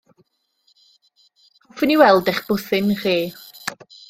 Hoffwn i weld eich bwthyn chi.